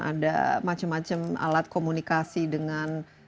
ada macam macam alat komunikasi dengan